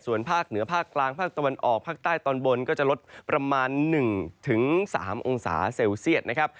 ส่วนภาคเหนือภาคกลางภาคตะวันออกภาคใต้ตอนบนก็จะลดประมาณ๑๓องศาเซลเซียตนะครับ